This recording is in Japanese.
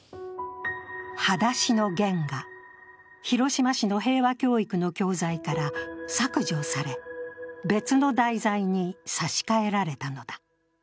「はだしのゲン」が広島市の平和教育の教材から削除され別の題材に差し替えられたのだ。